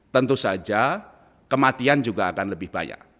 tentu saja kematian juga akan lebih banyak